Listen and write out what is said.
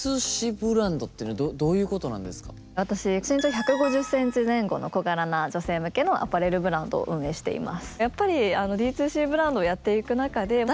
私身長１５０センチ前後の小柄な女性向けのアパレルブランドを運営しています。